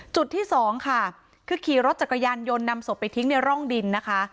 จุดที่สองค่ะคือขี่รถจักรยานยนต์นำศพไปทิ้งในร่องดินนะคะ